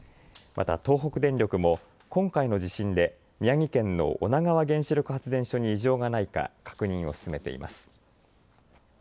また東北電力も今回の地震で宮城県の女川原子力発電所に異常がないか確認を進めています。